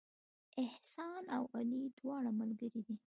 احسان او علي دواړه ملګري دي